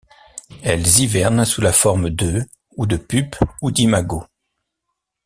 Elles hivernent sous la forme d'œuf ou de pupe ou d'imago.